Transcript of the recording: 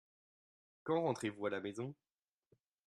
Quand rentrez-vous à la maison ?